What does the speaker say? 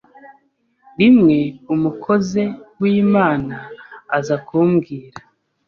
rimwe umukoze w’Imana aza kumbwira